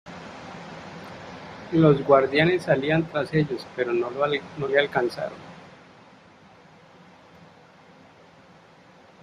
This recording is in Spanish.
Los guardias salían tras ellos pero no le alcanzaron.